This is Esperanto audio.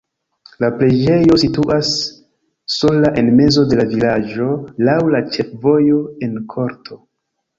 La preĝejo situas sola en mezo de la vilaĝo laŭ la ĉefvojo en korto.